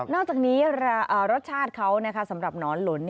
อกจากนี้รสชาติเขาสำหรับหนอนหลุน